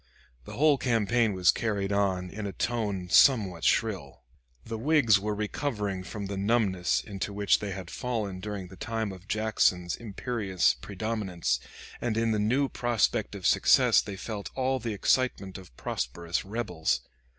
The whole campaign was carried on in a tone somewhat shrill. The Whigs were recovering from the numbness into which they had fallen during the time of Jackson's imperious predominance, and in the new prospect of success they felt all the excitement of prosperous rebels.